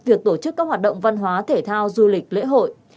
việc tổ chức các hoạt động văn hóa thể thao du lịch lễ hội